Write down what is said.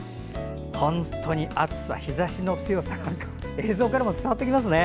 本当に暑さ、日ざしの強さが映像からも伝わってきますね。